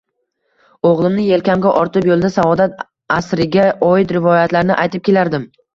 Oʻgʻlimni yelkamga ortib, yoʻlda Saodat asriga oid rivoyatlarni aytib kelardim